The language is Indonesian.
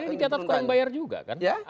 dki jakarta kurang bayar juga kan